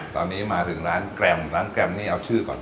ตอนนี้มาถึงร้านแกรมร้านแกรมนี่เอาชื่อก่อน